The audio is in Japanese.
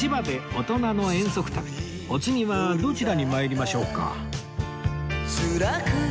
お次はどちらに参りましょうか？